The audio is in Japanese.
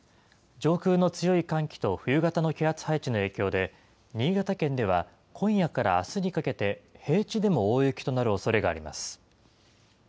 上空の強い寒気と冬型の気圧配置の影響で、新潟県では今夜からあすにかけて、平地でも大雪となるおそれがあります。